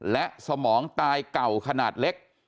และสมองตายเก่าขนาดเล็ก